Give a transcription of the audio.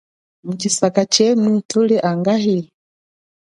Mutshisaka tshenu nuli angahi.